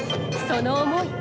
その思い